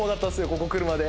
ここ来るまで。